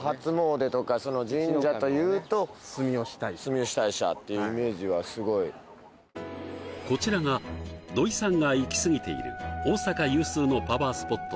住吉大社住吉大社っていうイメージはすごいこちらが土井さんがイキスギている大阪有数のパワースポット